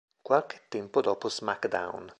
Qualche tempo dopo "SmackDown!